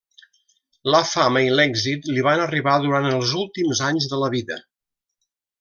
La fama i l'èxit li van arribar durant els últims anys de vida.